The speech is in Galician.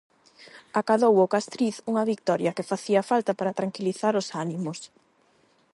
Acadou o Castriz unha vitoria que facía falta para tranquilizar os ánimos.